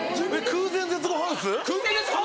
空前絶後ハウス！